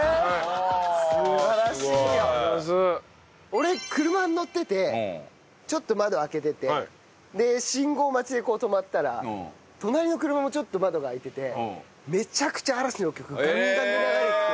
俺車に乗っててちょっと窓を開けててで信号待ちでこう止まったら隣の車もちょっと窓が開いててめちゃくちゃ嵐の曲ガンガンに流れてて。